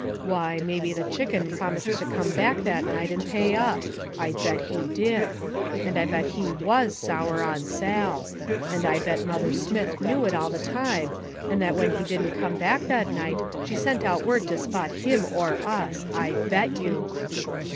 Why, maybe the Chicken promised to come back that night and pay up. I bet he did! And I bet he was sour on Sal. And I bet Mother Smith knew it all the time, and that when he didn't come back that night she sent out word to spot him or us. I bet you!"